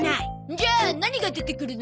じゃあ何が出てくるの？